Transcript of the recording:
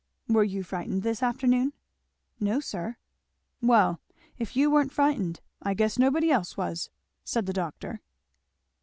"Were you frightened this afternoon?" "No sir." "Well, if you weren't frightened, I guess nobody else was," said the doctor.